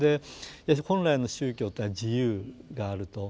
本来の宗教とは自由があると。